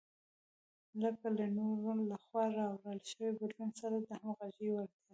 لکه له نورو لخوا راوړل شوي بدلون سره د همغږۍ وړتیا.